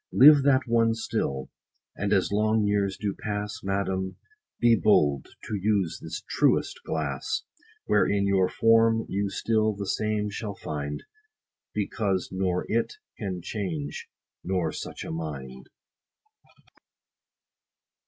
Live that one still ! and as long years do pass, Madam, be bold to use this truest glass ; Wherein your form you still the same shall find ; Because nor it can change, nor such a mind.